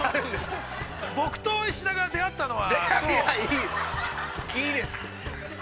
◆僕と石田が出会ったのは。